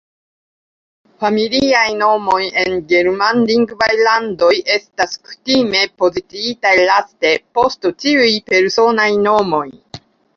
Familiaj nomoj en Germanlingvaj landoj estas kutime poziciitaj laste, post ĉiuj personaj nomoj.